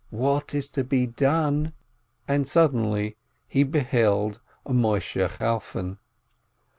What is to be done? And suddenly he beheld Moisheh Chalfon.